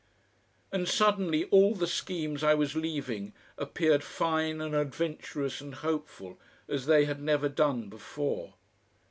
And suddenly all the schemes I was leaving appeared fine and adventurous and hopeful as they had never done before.